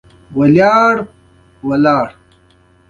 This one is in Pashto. آیا خلک هلته د تفریح لپاره نه ځي؟